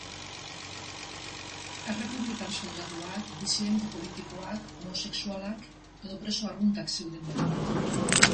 Errepublikar soldaduak, disidente politikoak, homosexualak edo preso arruntak zeuden bertan.